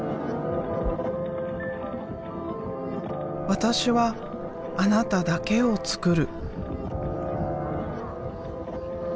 私はあなただけをつくる。